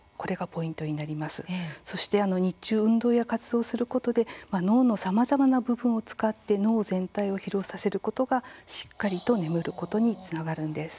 そして日中運動や活動をすることで脳のさまざまな部分を使って脳全体を疲労させることがしっかりと眠ることにつながるんです。